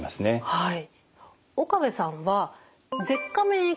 はい。